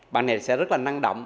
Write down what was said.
bạn này sẽ rất là năng động